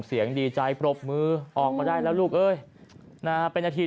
สู้สู้ก่อนนะ